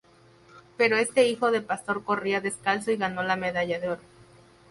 Pero este hijo de pastor corría descalzo y ganó la medalla de Oro.